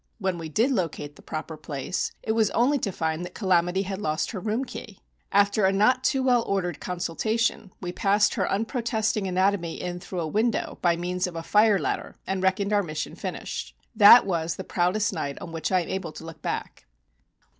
When we did locate the proper place, it was only to find that "Calamity" had lost her room key. After a not too well ordered consultation, we passed her unprotesting anatomy in through a window by means of a fire ladder and reckoned our mission finished. That was the proudest night on which I am able to look back.